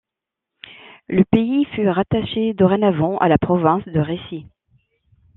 Le pays fut rattaché dorénavant à la province de Rhétie.